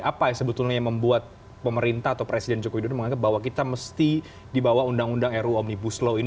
apa yang sebetulnya membuat pemerintah atau presiden joko widodo menganggap bahwa kita mesti dibawa undang undang ru omnibus law ini